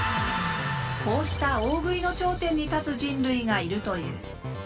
こうしたオオグイの頂点に立つ人類がいるという。